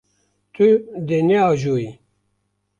Tu dê neajoyî.